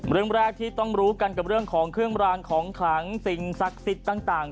เรื่องแรกที่ต้องรู้กันกับเรื่องของเครื่องรางของขลังสิ่งศักดิ์สิทธิ์ต่าง